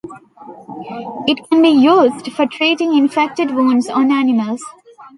It can be used for treating infected wounds on animals.